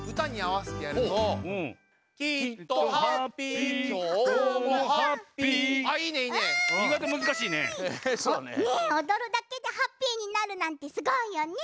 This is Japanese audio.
わあすごい！おどるだけでハッピーになるなんてすごいよね！